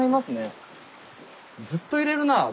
ずっといれるなあ